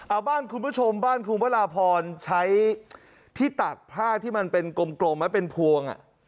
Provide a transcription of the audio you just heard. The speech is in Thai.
เอาบ้านคุณผู้ชมบ้านคุณวราพรใช้ที่ตักผ้าที่มันเป็นกลมไว้เป็นพวงอ่ะ